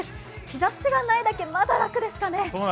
日ざしがないだけ、まだ楽ですかね